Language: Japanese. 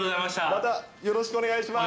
また、よろしくお願いします。